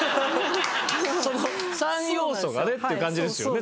その３要素がねっていう感じですよね